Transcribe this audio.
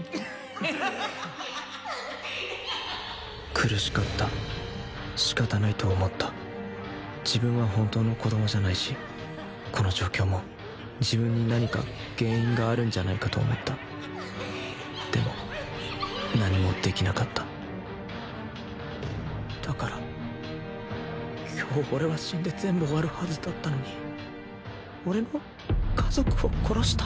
苦しかった仕方ないと思った自分は本当の子供じゃないしこの状況も自分に何か原因があるんじゃないかと思ったでも何もできなかっただから今日俺は死んで全部終わるはずだったのに俺の家族を殺した？